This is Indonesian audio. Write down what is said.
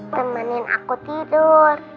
temani aku tidur